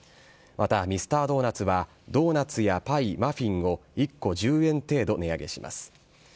またミスタードーナツは、ドーナツやパイ、マフィンを１個１０円程度値上げします。